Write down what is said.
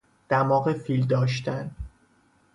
دماغ فیل داشتن